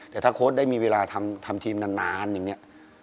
แต่ถ้าโค้ดได้มีเวลาทำทีมนานอย่างนี้